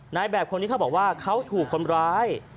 นายแบบคนนี้เขาบอกว่าเขาถูกคนร้าย